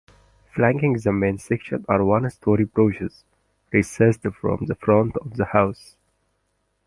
Flanking the main section are one-story porches, recessed from the front of the house.